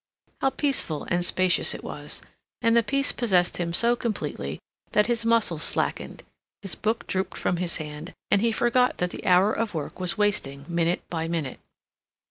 How peaceful and spacious it was; and the peace possessed him so completely that his muscles slackened, his book drooped from his hand, and he forgot that the hour of work was wasting minute by minute.